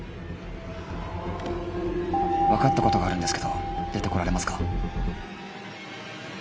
「分かったことがあるんですけど出てこられますか？」。